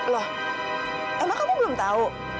loh emang kamu belum tahu